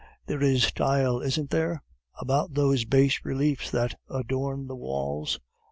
There is style, isn't there, about those bas reliefs that adorn the walls?